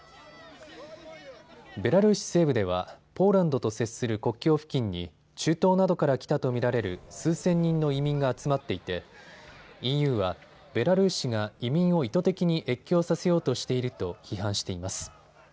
ベラルーシ西部ではポーランドと接する国境付近に中東などから来たと見られる数千人の移民が集まっていてＥＵはベラルーシが移民を意図的に越境させようとしていると批判しています。